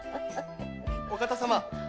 ・お方様。